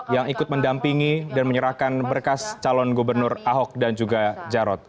yang ikut mendampingi dan menyerahkan berkas calon gubernur ahok dan juga jarot